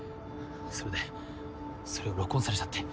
それでそれを録音されちゃって。